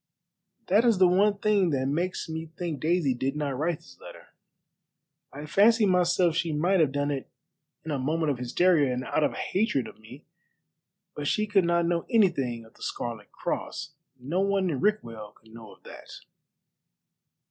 "That is the one thing that makes me think Daisy did not write the letter. I fancied myself she might have done it in a moment of hysteria and out of hatred of me, but she could not know anything of the Scarlet Cross. No one in Rickwell could know of that."